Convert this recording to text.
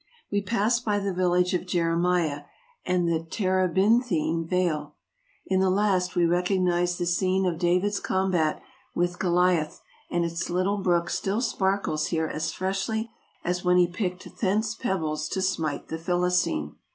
We passed by the village of Jeremiah and the " Tere binthine Vale." In the last we recognize the scene of David's combat with Goliath, and its little brook still sparkles here as freshly as when he picked thence pebbles to smite the Philistine.